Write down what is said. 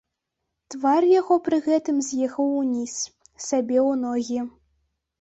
Твар яго пры гэтым з'ехаў уніз, сабе ў ногі.